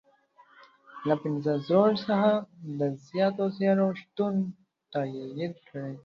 له پنځه زرو څخه د زیاتو سیارو شتون تایید کړی.